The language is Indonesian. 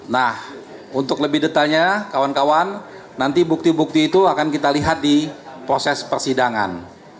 nah untuk lebih detailnya kawan kawan nanti bukti bukti itu akan kita lihat di proses persidangan